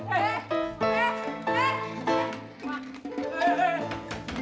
jangan pebaling jangan pebaling